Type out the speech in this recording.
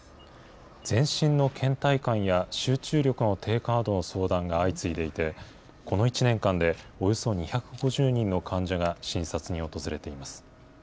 全身のけん怠感や、集中力の低下などの相談が相次いでいて、この１年間で、およそ２５０人の患者が診察に訪れています。